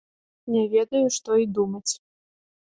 Не ведаю, што і думаць.